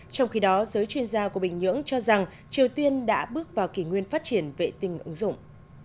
trong khi đó giới chuyên gia của bình nhưỡng cho rằng triều tiên đã bước vào kỷ nguyên phát triển vệ tinh ứng dụng